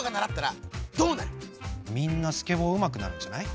みんなスケボーうまくなるんじゃない？